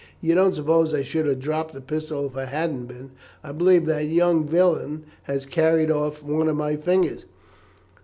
"You don't suppose I should have dropped the pistol if I hadn't been. I believe that young villain has carried off one of my fingers."